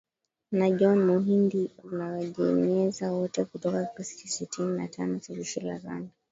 NA John Muhindi Uwajeneza, wote kutoka kikosi cha sitini na tano cha jeshi la Rwanda